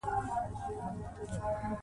نفت د افغانستان د صادراتو برخه ده.